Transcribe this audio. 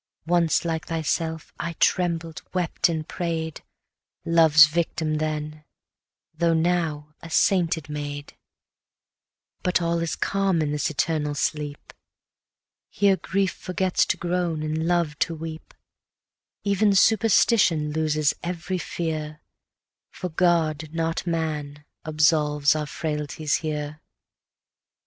310 Once like thyself, I trembled, wept, and pray'd, Love's victim then, though now a sainted maid: But all is calm in this eternal sleep; Here Grief forgets to groan, and Love to weep, Even Superstition loses every fear: For God, not man, absolves our frailties here.'